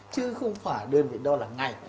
chứ không phải đơn vị đo là ngày